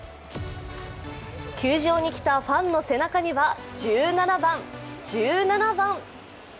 球場に来たファンの背中には１７番、１７番、１７番。